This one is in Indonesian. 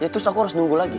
terus aku harus nunggu lagi